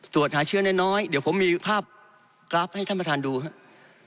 ตรวจหาเชื้อน้อยเดี๋ยวผมมีภาพกราฟให้ท่านประธานดูครับ